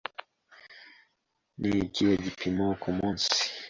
Ni ikihe gipimo ku munsi?